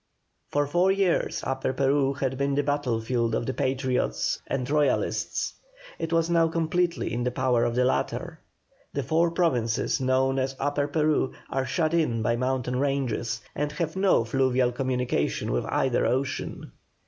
For four years Upper Peru had been the battlefield of the Patriots and Royalists; it was now completely in the power of the latter. The four provinces known as Upper Peru are shut in by mountain ranges, and have no fluvial communication with either ocean.